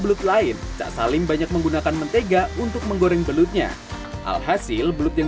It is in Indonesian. belut lain cak salim banyak menggunakan mentega untuk menggoreng belutnya alhasil belut yang